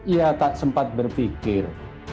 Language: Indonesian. ia tak sempat berpikir